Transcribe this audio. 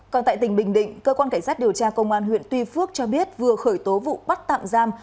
còn tại tỉnh bình định cơ quan cảnh sát điều tra công an huyện tuy phước cho biết vừa khởi tố vụ bắt tạm giam